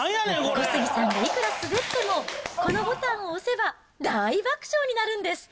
小杉さんがいくらすべっても、このボタンを押せば、大爆笑になるんです。